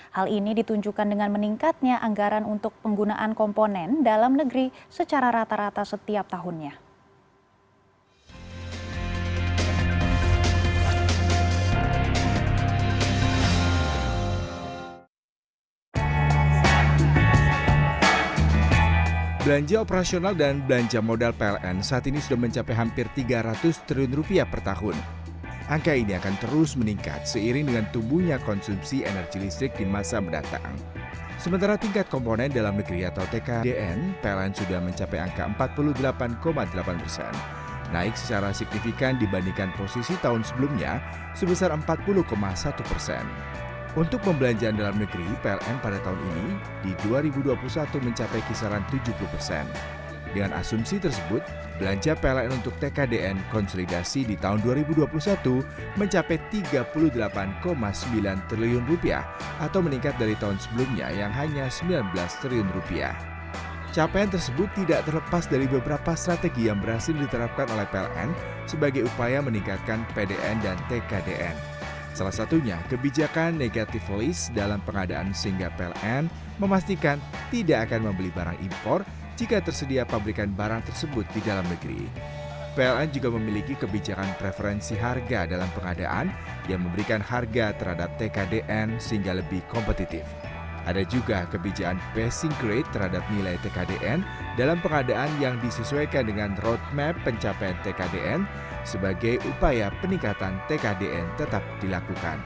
hal ini ditunjukkan dengan meningkatnya anggaran untuk penggunaan komponen dalam negeri secara rata rata setiap tahunnya